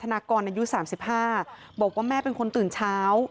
เนธนากรอายุสามสิบห้าบอกว่าแม่เป็นคนตื่นเช้า